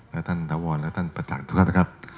และท่านถาวรและท่านประธานทุกท่านนะครับ